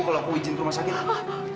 kalau aku izin ke rumah sakit apa